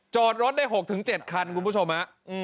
จอดรถได้๖๗คันคุณผู้ชมฮะ